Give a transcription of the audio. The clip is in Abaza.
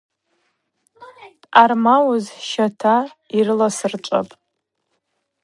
Дъагӏармауыз – щата йрыласырчӏвапӏ.